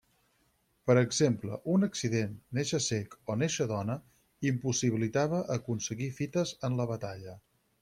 Per exemple, un accident, néixer cec, o néixer dona impossibilitava aconseguir fites en la batalla.